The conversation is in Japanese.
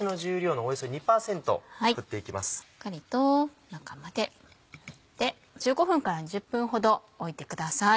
しっかりと中まで振って１５分から２０分ほどおいてください。